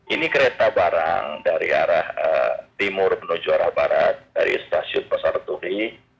ini kereta barang dari arah timur menuju arah barat dari stasiun pasar turi